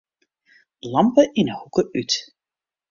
Lampe yn 'e hoeke út.